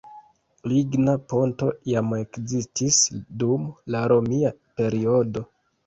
Ligna ponto jam ekzistis dum la romia periodo.